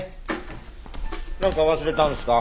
なんか忘れたんですか？